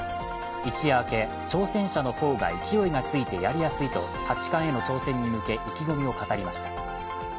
一夜明け、挑戦者の方が勢いがついてやりやすいと八冠への挑戦に向け、意気込みを語りました。